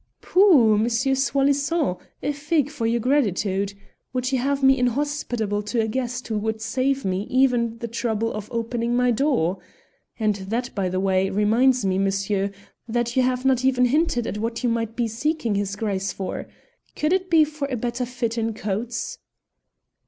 "Pooh! Monsieur Soi disant, a fig for your gratitude! Would you have me inhospitable to a guest who would save me even the trouble of opening my door? And that, by the way, reminds me, monsieur, that you have not even hinted at what you might be seeking his Grace for? Could it be could it be for a better fit in coats?"